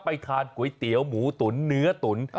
ไปทานก๋วยเตี๋ยวหมูตุ๋นเนื้อตุ๋น